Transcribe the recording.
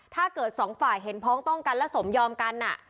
สองฝ่ายเห็นพ้องต้องกันและสมยอมกัน